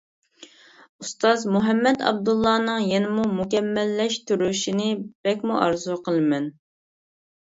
ئۇستاز مۇھەممەد ئابدۇللانىڭ يەنىمۇ مۇكەممەللەشتۈرۈشىنى بەكمۇ ئارزۇ قىلىمەن.